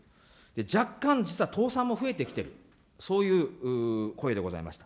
若干、実は倒産も増えてきている、そういう声でございました。